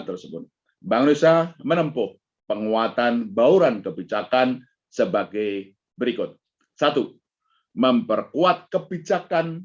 tersebut bank indonesia menempuh penguatan bauran kebijakan sebagai berikut satu memperkuat kebijakan